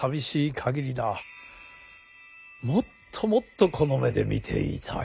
もっともっとこの目で見ていたい。